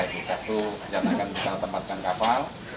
itu satu yang akan kita tempatkan kapal